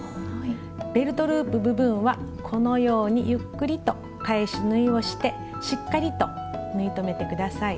ベルトループ部分はこのようにゆっくりと返し縫いをしてしっかりと縫い留めて下さい。